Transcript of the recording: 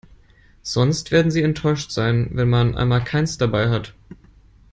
Sonst werden sie enttäuscht sein, wenn man einmal keins dabei hat.